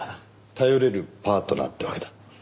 頼れるパートナーってわけだ。